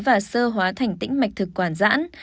và sơ hóa thành tĩnh mạch thực quản giãn